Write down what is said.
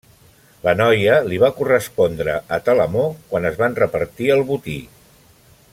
La noia li va correspondre a Telamó quan es van repartir el botí.